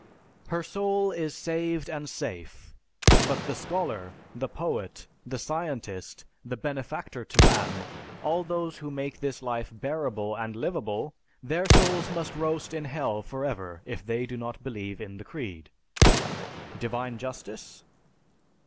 Her soul is saved and safe, but the scholar, the poet, the scientist, the benefactor to mankind, all those who make this life bearable and livable, their souls must roast in hell forever if they do not believe in the creed. Divine Justice?